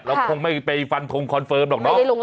คงไม่ไปฟันทงคอนเฟิร์มหรอกเนาะ